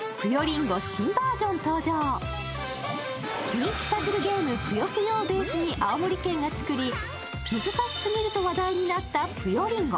人気パズルゲーム「ぷよぷよ」をベースに青森県が作り、難しすぎると話題になった「ぷよりんご」。